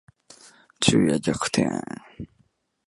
昼夜逆転